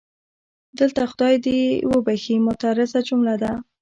دلته خدای دې یې وبښي معترضه جمله ده.